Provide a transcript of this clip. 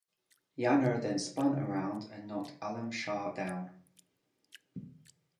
Yanuar then spun around and knocked Alam Shah down.